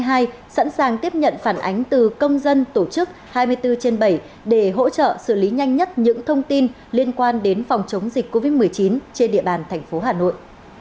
tổng đài điện thoại một nghìn hai mươi hai sẵn sàng tiếp nhận phản ánh từ công dân tổ chức hai mươi bốn trên bảy để hỗ trợ xử lý nhanh nhất những thông tin liên quan đến phòng chống dịch covid một mươi chín trên địa bàn thành phố hà nội